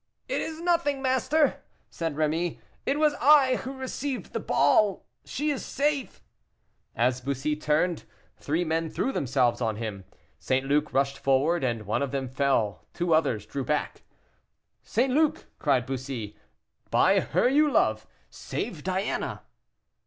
"It is nothing, master," said Rémy. "It was I who received the ball. She is safe." As Bussy turned, three men threw themselves on him; St. Luc rushed forward, and one of them fell. The two others drew back. "St. Luc," cried Bussy, "by her you love, save Diana."